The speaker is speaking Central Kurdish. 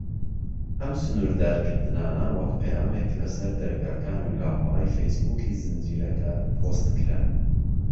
ئەم سنوردارکردنانە وەک پەیامێک لە سەر دەرگاکان و لاپەڕەی فەیس بووکی زنجیرەکە پۆست کران.